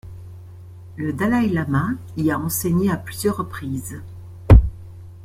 Le Dalaï Lama y a enseigné à plusieurs reprises.